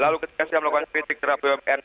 lalu ketika saya melakukan kritik terhadap bumn